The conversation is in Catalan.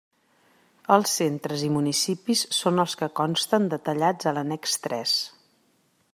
Els centres i municipis són els que consten detallats a l'annex tres.